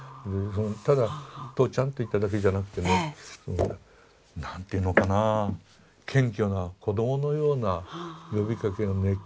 ただ「とうちゃん」と言っただけじゃなくてね何て言うのかな謙虚な子どものような呼びかけの熱気ね。